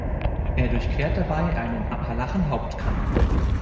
Er durchquert dabei einen Appalachen-Hauptkamm.